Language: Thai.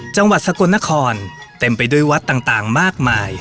จังหวัดสกลนครเต็มไปด้วยวัดต่างมากมาย